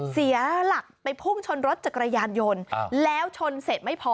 เสียหลักไปพุ่งชนรถจักรยานยนต์แล้วชนเสร็จไม่พอ